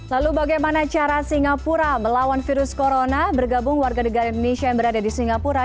lalu bagaimana cara singapura melawan virus corona bergabung warga negara indonesia yang berada di singapura